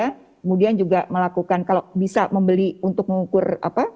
kemudian juga melakukan kalau bisa membeli untuk mengukur apa